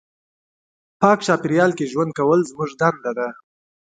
پاک چاپېریال کې ژوند کول زموږ دنده ده.